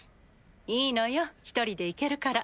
いいのよ一人で行けるから。